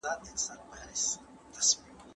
دا څلېرويشت عدد دئ.